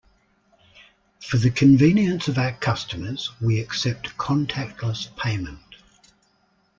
For the convenience of our customers we accept contactless payment.